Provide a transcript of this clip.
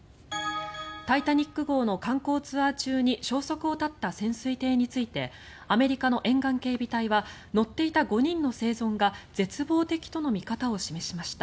「タイタニック号」の観光ツアー中に消息を絶った潜水艇についてアメリカの沿岸警備隊は乗っていた５人の生存が絶望的との見方を示しました。